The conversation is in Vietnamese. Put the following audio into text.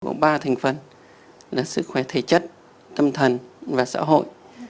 có ba thành phần là sức khỏe thể chất tâm thần và xã hội